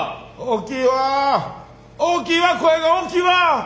大きいわ声が大きいわ！